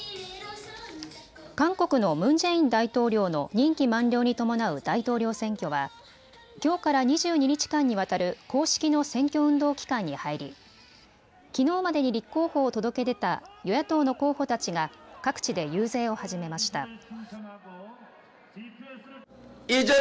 韓国のムン・ジェイン大統領の任期満了に伴う大統領選挙はきょうから２２日間にわたる公式の選挙運動期間に入りきのうまでに立候補を届け出た与野党の候補たちが各地で遊説を始めました。